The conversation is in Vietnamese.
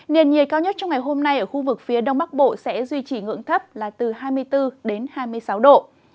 nền nhiệt cao nhất trong ngày hôm nay ở khu vực phía đông bắc bộ sẽ duy trì ngưỡng thấp là từ hai mươi bốn đến hai mươi sáu độ